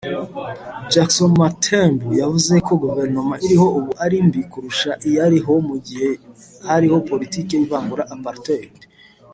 Jackson Mthembu yavuze ko guverinoma iriho ubu ari mbi kurusha iyariho mu gihe hariho politiki y’ivangura (Apartheid)